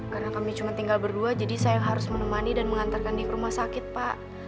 karena kami cuma tinggal berdua jadi saya yang harus menemani dan mengantarkan dia ke rumah sakit pak